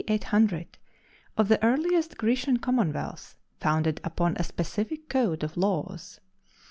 800, of the earliest Grecian commonwealth founded upon a specific code of laws.